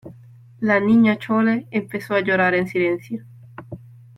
la Niña Chole empezó a llorar en silencio